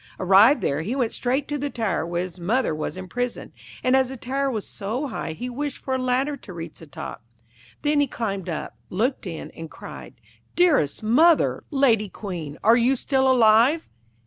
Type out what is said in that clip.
Arrived there, he went straight to the tower where his mother was imprisoned, and as the tower was so high he wished for a ladder to reach the top. Then he climbed up, looked in, and cried, 'Dearest mother, lady Queen, are you still alive?'